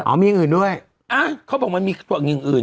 มีอย่างอื่นด้วยอ่ะเขาบอกมันมีส่วนอย่างอื่น